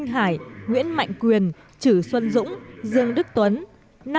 nguyễn hải nguyễn mạnh quyền chử xuân dũng dương đức tuấn